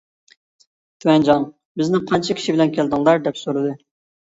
تۈەنجاڭ بىزنى قانچە كىشى بىلەن كەلدىڭلار، دەپ سورىدى.